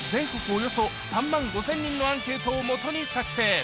およそ３万５０００人のアンケートをもとに作成